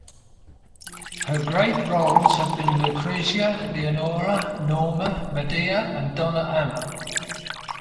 Her great roles had been Lucrezia, Leonora, Norma, Medea, and Donna Anna.